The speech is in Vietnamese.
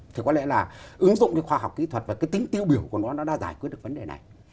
thì có lẽ là ứng dụng cái khoa học kỹ thuật và cái tính tiêu biểu của nó nó đã giải quyết được vấn đề này